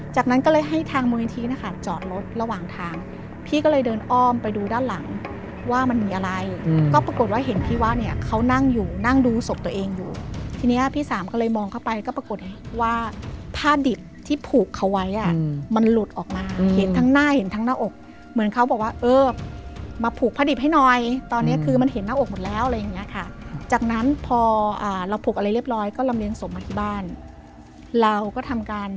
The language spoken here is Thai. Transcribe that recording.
จากนั้นก็เลยให้ทางมือทีนะคะจอดรถระหว่างทางพี่ก็เลยเดินอ้อมไปดูด้านหลังว่ามันมีอะไรก็ปรากฏว่าเห็นพี่ว่าเนี่ยเขานั่งอยู่นั่งดูศพตัวเองอยู่ทีนี้พี่สามก็เลยมองเข้าไปก็ปรากฏว่าผ้าดิบที่ผูกเขาไว้มันหลุดออกมาเห็นทั้งหน้าเห็นทั้งหน้าอกเหมือนเขาบอกว่าเออมาผูกผ้าดิบให้หน่อยตอนนี้คือมันเห็นหน้าอกหม